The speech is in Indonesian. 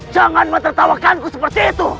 jangan menertawakanku seperti itu